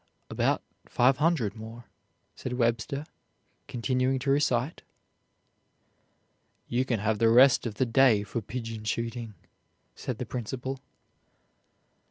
"About five hundred more," said Webster, continuing to recite. "You can have the rest of the day for pigeon shooting," said the principal.